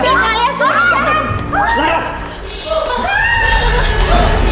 bunda kalian jangan